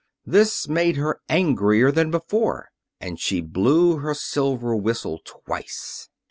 This made her angrier than before, and she blew her silver whistle twice.